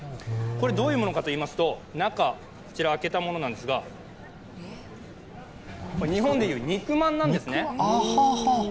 どういうものかといいますと、中、開けたものですが、日本でいう、肉まんなんですね。